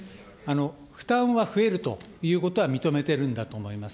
負担は増えるということは認めてるんだと思います。